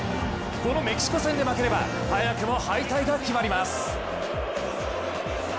このメキシコ戦で負ければ早くも敗退が決まります。